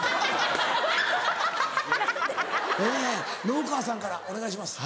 直川さんからお願いします。